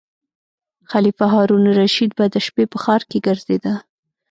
خلیفه هارون الرشید به د شپې په ښار کې ګرځیده.